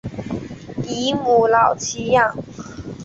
以母老乞养。